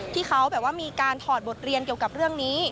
ที่เขาแบบว่ามีการถอดบทเรียนเกี่ยวกับเรื่องนี้